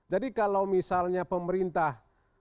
jadi kalau misalnya pemerintah